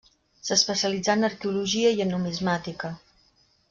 S'especialitzà en arqueologia i en numismàtica.